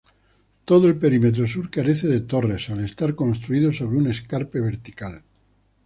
Todo el perímetro sur carece de torres, al estar construido sobre un escarpe vertical.